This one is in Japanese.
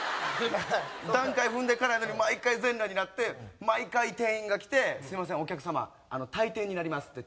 段階踏んでからやのに毎回全裸になって毎回店員が来て「すみませんお客様退店になります」って。